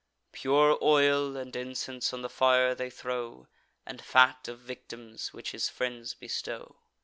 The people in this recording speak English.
Pure oil and incense on the fire they throw, And fat of victims, which his friends bestow.